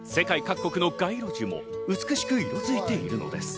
世界各国の街路樹も美しく色づいているのです。